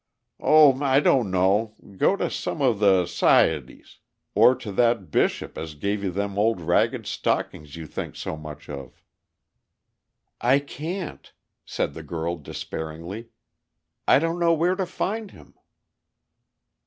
"Oh, I don't know. Go to some of the s'cieties, or to that Bishop as gave you them old ragged stockings you think so much of." "I can't," said the girl, despairingly. "I don't know where to find him."